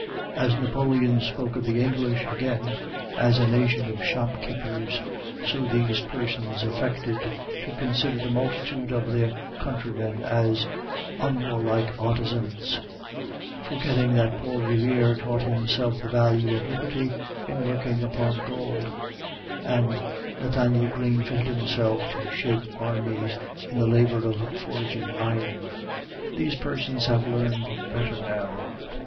As Napoleon spoke of the English, again, as a nation of shopkeepers, so these persons affected to consider the multitude of their countrymen as unwarlike artisans, forgetting that Paul Revere taught himself the value of liberty in working upon gold, and Nathanael Greene fitted himself to shape armies in the labor of forging iron. These persons have learned better now.